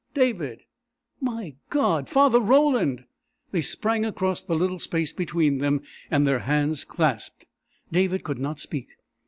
"David!" "My God Father Roland!" They sprang across the little space between them, and their hands clasped. David could not speak.